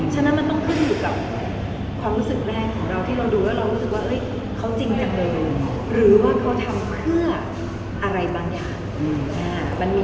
ฉะนั้นมันต้องขึ้นอยู่กับความรู้สึกแรกของเราที่เราดูแล้วเรารู้สึกว่าเขาจริงจังเลยหรือว่าเขาทำเพื่ออะไรบางอย่าง